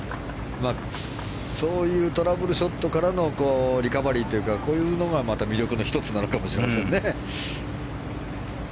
そういうトラブルショットからのリカバリーというかこういうのがまた魅力の１つなのかもしれませんね。